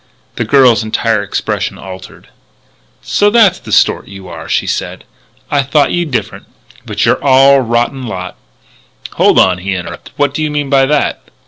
The girl's entire expression altered. "So that's the sort you are," she said. "I thought you different. But you're all a rotten lot " "Hold on," he interrupted, "what do you mean by that?"